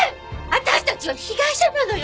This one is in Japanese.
私たちは被害者なのよ。